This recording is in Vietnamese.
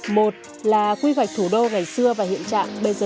một là quy hoạch thủ đô ngày xưa và hiện trạng bây giờ khác nhau rất nhiều